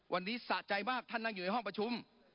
วันนี้สะใจมากท่านนั่งอยู่ในห้องประชุม